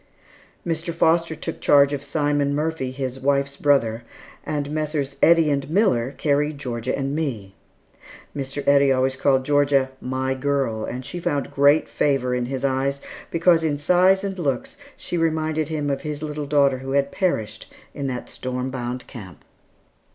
Mr. Foster took charge of Simon Murphy, his wife's brother, and Messrs. Eddy and Miller carried Georgia and me. Mr. Eddy always called Georgia "my girl," and she found great favor in his eyes, because in size and looks she reminded him of his little daughter who had perished in that storm bound camp.